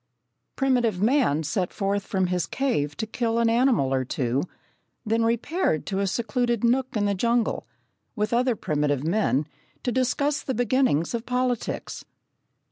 Primitive man set forth from his cave to kill an animal or two, then repaired to a secluded nook in the jungle, with other primitive men, to discuss the beginnings of politics.